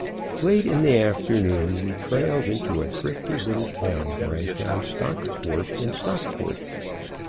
Late in the afternoon we trailed into a thrifty little town where I found stock port in Stockport.